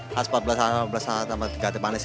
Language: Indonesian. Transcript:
khas empat belas tambah tiga teh manis